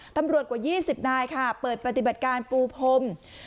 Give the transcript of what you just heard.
กว่า๒๐นายค่ะเปิดปฏิบัติการปูพรม